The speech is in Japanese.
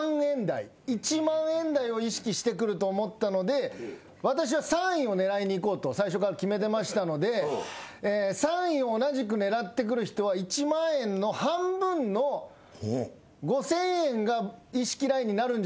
１万円台を意識してくると思ったので私は３位を狙いにいこうと最初から決めてましたので３位を同じく狙ってくる人は１万円の半分の５，０００円が意識ラインになるんじゃないかなと。